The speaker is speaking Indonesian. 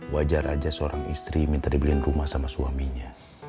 wajar aja seorang istri minta dibeliin rumah sama suaminya